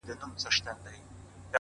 دا لکه ماسوم ته چي پېښې کوې؛